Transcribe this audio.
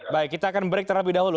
baik kita akan break terlebih dahulu